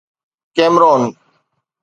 Cameron